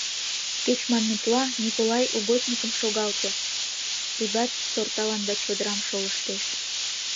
Кеч, манметла, Миколай угодникым шогалте, тудат сорталан да чодырам шолыштеш.